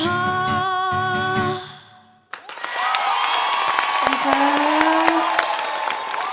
ขอบคุณครับ